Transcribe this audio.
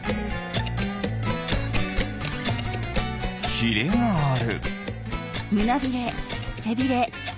ひれがある。